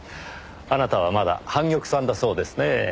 あなたはまだ半玉さんだそうですねぇ。